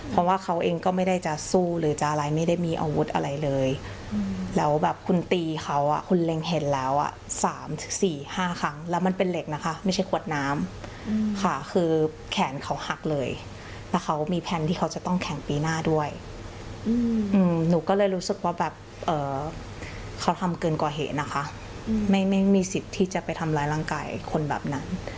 หนูก็เลยรู้สึกว่าแบบเขาทำเกินกว่าเหนะคะไม่มีสิทธิ์ที่จะไปทำร้ายร่างกายคนแบบนั้น